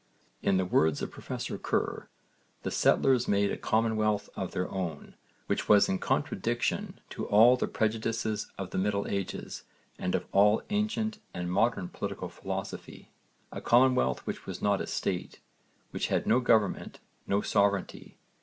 In the words of Professor Ker 'the settlers made a commonwealth of their own, which was in contradiction to all the prejudices of the middle ages and of all ancient and modern political philosophy; a commonwealth which was not a state, which had no government, no sovereignty.'